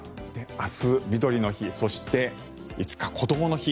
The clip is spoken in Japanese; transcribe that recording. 明日、みどりの日そして５日、こどもの日。